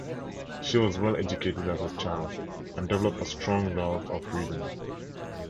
She was well educated as a child, and developed a strong love of reading.